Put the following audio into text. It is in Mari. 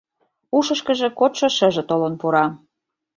Ушышкыжо кодшо шыже толын пура.